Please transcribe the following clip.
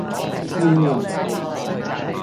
少林